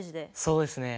そうですね。